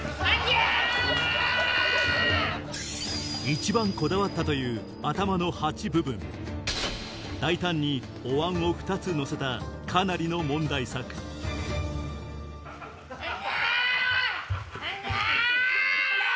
一番こだわったという頭のハチ部分大胆にお椀を２つのせたかなりの問題作オンギャオンギャ！